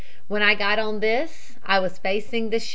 When I got on this I was facing the ship.